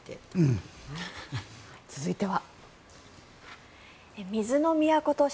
続いては。